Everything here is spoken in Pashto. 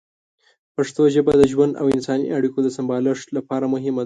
پښتو ژبه د ژوند او انساني اړیکو د سمبالښت لپاره مهمه ده.